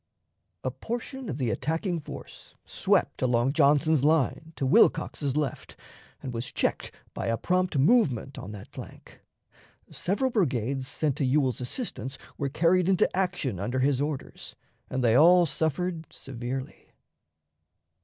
A portion of the attacking force swept along Johnson's line to Wilcox's left, and was checked by a prompt movement on that flank. Several brigades sent to Ewell's assistance were carried into action under his orders, and they all suffered severely.